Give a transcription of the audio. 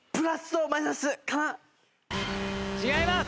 違います。